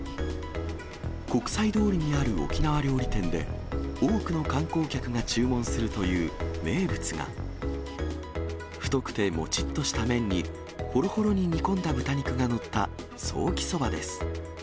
国際通りにある沖縄料理店で、多くの観光客が注文するという名物が、太くてもちっとした麺に、ほろほろに煮込んだ豚肉が載ったソーキそばです。